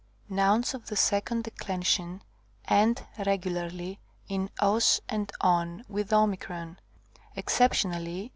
Nouns of the second declension end regularly in os and ον, excoptionally.